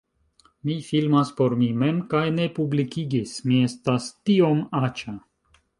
Mi filmas por mi mem kaj ne publikigis, mi estas tiom aĉa